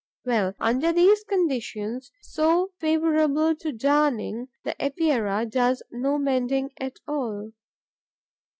Well, under these conditions, so favourable to darning, the Epeira does no mending at all.